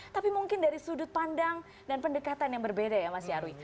tapi mungkin dari sudut pandang dan pendekatan yang berbeda ya mas nyarwi